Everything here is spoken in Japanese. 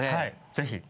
ぜひ